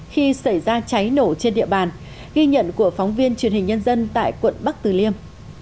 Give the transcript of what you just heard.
khi xảy ra cháy nổ trên địa bàn ghi nhận của phóng viên truyền hình nhân dân tại quận bắc tử liêm